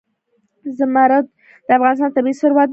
زمرد د افغانستان طبعي ثروت دی.